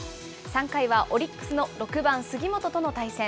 ３回はオリックスの６番杉本との対戦。